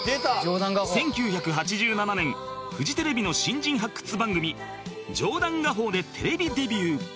１９８７年フジテレビの新人発掘番組『冗談画報』でテレビデビュー